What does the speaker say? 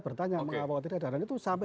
bertanya mengapa tidak ada dan itu sampai